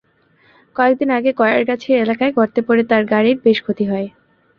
কয়েক দিন আগে কয়ারগাছি এলাকায় গর্তে পড়ে তাঁর গাড়ির বেশ ক্ষতি হয়।